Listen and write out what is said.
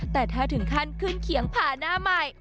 แต่ถ้าถึงขั้นขึ้นเขียงผ่าหน้าใหม่